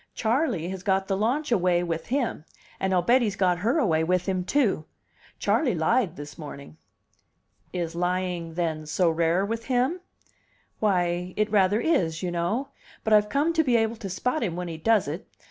Charley has got the launch away with him and I'll bet he's got her away with him, too. Charley lied this morning." "Is lying, then, so rare with him?" "Why, it rather is, you know. But I've come to be able to spot him when he does it.